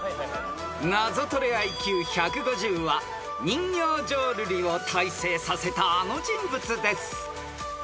［ナゾトレＩＱ１５０は人形浄瑠璃を大成させたあの人物です］